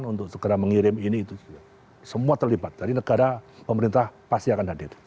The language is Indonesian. jadi ini adalah pertanyaan untuk negara yang sudah mengirim ini semua terlibat jadi negara pemerintah pasti akan hadir